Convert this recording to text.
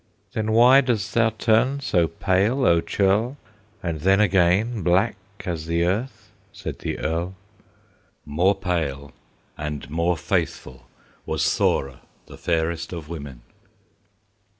"Then why dost thou turn so pale, O churl, And then again black as the earth?" said the Earl. More pale and more faithful Was Thora, the fairest of women.